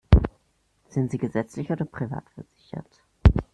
Sind Sie gesetzlich oder privat versichert?